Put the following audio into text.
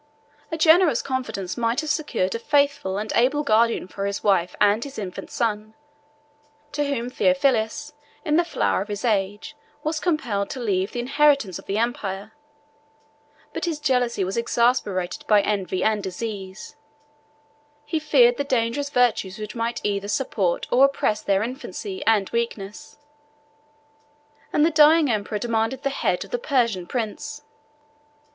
A generous confidence might have secured a faithful and able guardian for his wife and his infant son, to whom Theophilus, in the flower of his age, was compelled to leave the inheritance of the empire. But his jealousy was exasperated by envy and disease; he feared the dangerous virtues which might either support or oppress their infancy and weakness; and the dying emperor demanded the head of the Persian prince.